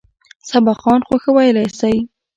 سبقان خو ښه ويلى سئ.